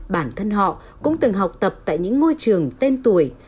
bản thân họ cũng từng học tập tại những ngôi trường tên tuổi